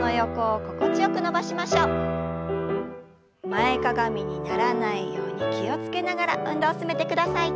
前かがみにならないように気を付けながら運動を進めてください。